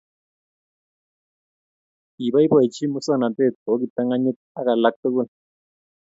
Kikoboibochi masongnatet kou kiptanganyit ak alak tukul